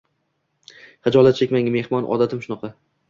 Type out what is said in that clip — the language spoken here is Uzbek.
Xijolat chekmang, mehmon, odatim shunaqa